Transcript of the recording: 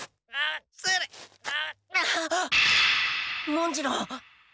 文次郎。